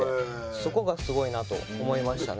そこがすごいなと思いましたね。